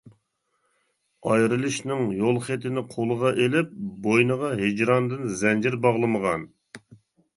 ئايرىلىشنىڭ يول خېتىنى قولىغا ئېلىپ، بوينىغا ھىجراندىن زەنجىر باغلىمىغان!